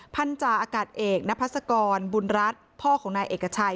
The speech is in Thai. พันธาอากาศเอกนพัศกรบุญรัฐพ่อของนายเอกชัย